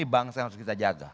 bangsa yang harus kita jaga